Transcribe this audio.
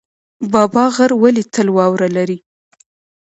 بابا غر ولې تل واوره لري؟